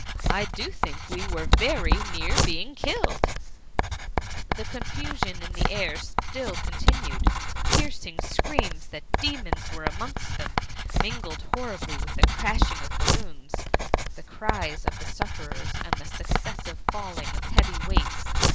I do think we were very near bdng killed i^ The confusion in the air still continued; piercing screams that demons were amongst them, mingled horribly with* the crashing of balloons, the cries of the sufferers, and the successive falling of heavy wei^ts.